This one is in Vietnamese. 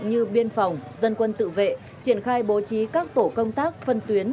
như biên phòng dân quân tự vệ triển khai bố trí các tổ công tác phân tuyến